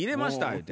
言うて。